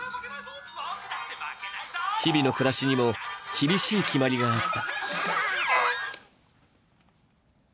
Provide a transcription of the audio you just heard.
日々の暮らしにも、厳しい決まりがあった。